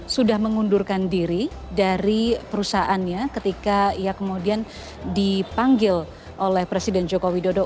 sudah mengundurkan diri dari perusahaannya ketika ia kemudian dipanggil oleh presiden joko widodo